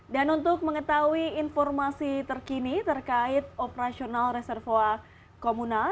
dan untuk mengetahui informasi terkini terkait operasional reservoir komunal